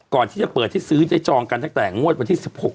ก่อนที่จะเปิดที่ซื้อได้จองกันตั้งแต่งวดวันที่๑๖